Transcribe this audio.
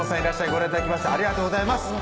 ご覧頂きましてありがとうございます